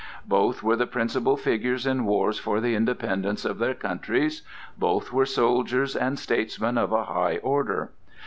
Both were the principal figures in wars for the independence of their countries; both were soldiers and statesmen of a high order.